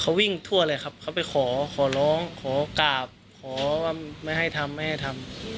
เขาวิ่งทั่วเลยครับเขาไปขอขอร้องขอกราบขอว่าไม่ให้ทำไม่ให้ทำ